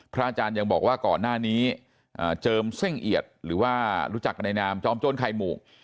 อาจารย์ยังบอกว่าก่อนหน้านี้เจิมเส้งเอียดหรือว่ารู้จักกันในนามจอมโจ้นไข่หมู่